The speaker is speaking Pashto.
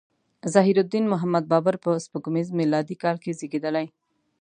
ظهیرالدین محمد بابر په سپوږمیز میلادي کال کې زیږیدلی.